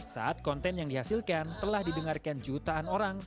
saat konten yang dihasilkan telah didengarkan jutaan orang